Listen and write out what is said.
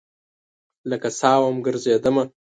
لکه سا وم ګرزیدمه